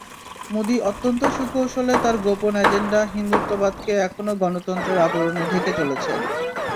মোদি অত্যন্ত সুকৌশলে তাঁর গোপন অ্যাজেন্ডা হিন্দুত্ববাদকে এখনো গণতন্ত্রের আবরণে ঢেকে চলেছেন।